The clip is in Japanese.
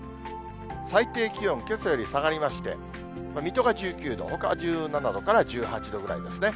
最低気温、けさより下がりまして、水戸が１９度、ほかは１７度から１８度ぐらいですね。